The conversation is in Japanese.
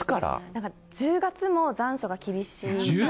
なんか、１０月も残暑が厳しい。